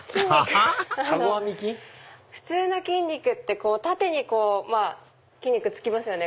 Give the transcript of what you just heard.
普通の筋肉って縦に筋肉つきますよね